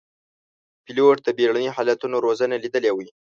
پیلوټ د بېړني حالتونو روزنه لیدلې وي.